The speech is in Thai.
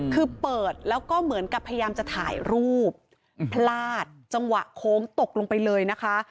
คือเปิดแล้วก็เหมือนกับพยายามจะถ่ายรูปพลาดจังหวะโค้งตกลงไปเลยนะคะ